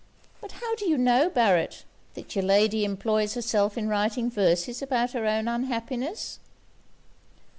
'But how do you know, Barret, that your lady employs herself in writing verses about her own unhappiness?'